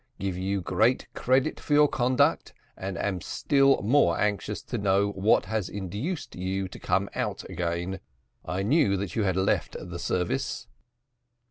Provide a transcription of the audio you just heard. Give you great credit for your conduct, and am still more anxious to know what has induced you to come out again. I knew that you had left the service."